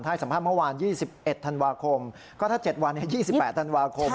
ให้สัมภาษณ์เมื่อวาน๒๑ธันวาคมก็ถ้า๗วัน๒๘ธันวาคม